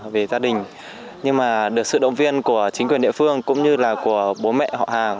vì gia đình nhưng mà được sự động viên của chính quyền địa phương cũng như là của bố mẹ họ hàng